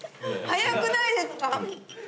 早くないですか？